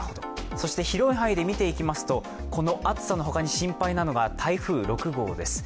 広い範囲で見ていきますとこの暑さの他に心配なのが台風６号です。